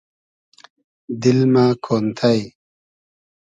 دیل مۂ کۉنتݷ